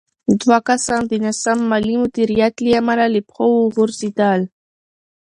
دوه کسان د ناسم مالي مدیریت له امله له پښو وغورځېدل.